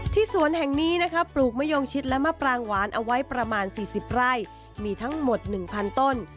สวนแห่งนี้นะคะปลูกมะยงชิดและมะปรางหวานเอาไว้ประมาณ๔๐ไร่มีทั้งหมด๑๐๐ต้น